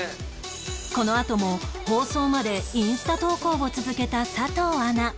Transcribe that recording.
このあとも放送までインスタ投稿を続けた佐藤アナ